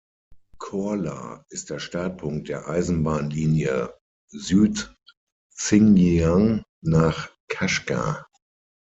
Korla ist der Startpunkt der Eisenbahnlinie Süd-Xinjiang nach Kaschgar.